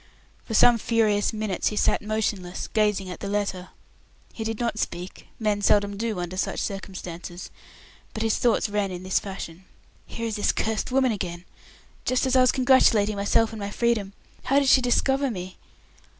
For some furious minutes he sat motionless, gazing at the letter. He did not speak men seldom do under such circumstances but his thoughts ran in this fashion: "Here is this cursed woman again! Just as I was congratulating myself on my freedom. How did she discover me?